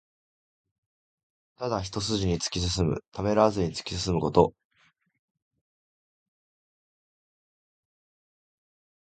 ただ一すじに突き進む。ためらわずに突き進むこと。